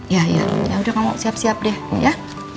yaudah kamu siap siap deh ya